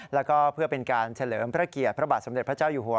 แล้วก็เพื่อเป็นการเฉลิมพระเกียรติพระบาทสมเด็จพระเจ้าอยู่หัว